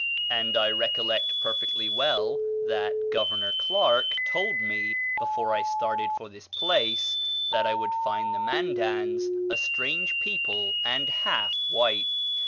And I recollect perfectly well that Governor Clarke told me, before I started for this place, that I would find the Mandans a strange people and half white.